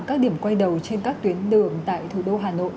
các điểm quay đầu trên các tuyến đường tại thủ đô hà nội